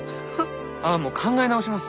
あもう考え直します。